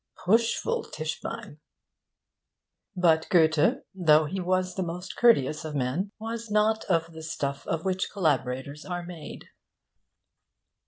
Pushful Tischbein! But Goethe, though he was the most courteous of men, was not of the stuff of which collaborators are made.